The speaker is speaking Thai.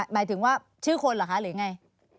หมายถึงว่าชื่อคนเหรอคะหรือไง